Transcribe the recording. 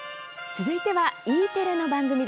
続いては、Ｅテレの番組。